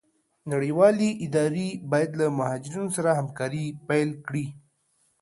نړيوالي اداري بايد له مهاجرينو سره همکاري پيل کړي.